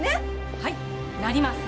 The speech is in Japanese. はいなりません。